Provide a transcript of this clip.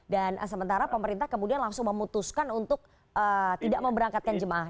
dan sementara pemerintah kemudian langsung memutuskan untuk tidak memberangkatkan jemaah